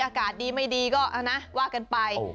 อากาศกราศดีไม่ดีไหมก็ว่ากันไป